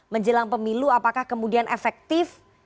menjelang pemilu apakah kemudian efektif